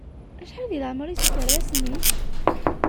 Acḥal deg leɛmer-is uterras-nni?